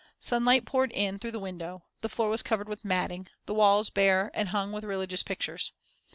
Sunlight poured in through the window, the floor was covered with matting, the walls bare and hung with religious pictures.